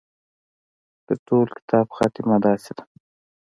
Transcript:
د ټول کتاب خاتمه داسې ده.